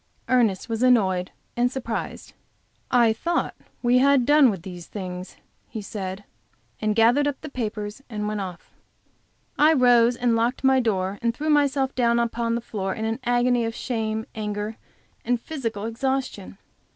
Ernest was annoyed and surprised. "I thought we had done with these things," he said, and gathering up the papers he went off. I rose and locked my door and threw myself down upon the floor in an agony of shame, anger, and physical exhaustion.